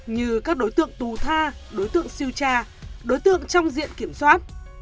như các đối tượng tù tha đối tượng siêu cha đối tượng trong diện kiểm soát